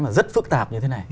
mà rất phức tạp như thế này